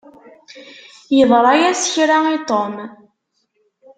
Yeḍṛa-yas kra i Tom.